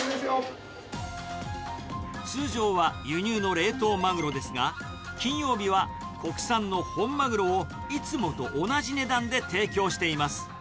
通常は輸入の冷凍マグロですが、金曜日は国産の本マグロをいつもと同じ値段で提供しています。